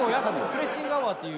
プレッシングアワーっていう。